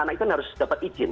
anak anak itu harus dapat izin